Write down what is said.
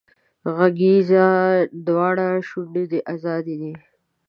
غږېږه دواړه شونډې دې ازادې دي